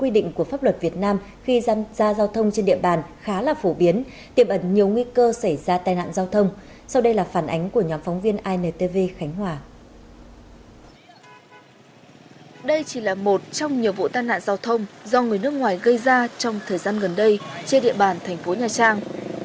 đây chỉ là một trong nhiều vụ tai nạn giao thông do người nước ngoài gây ra trong thời gian gần đây trên địa bàn thành phố nha trang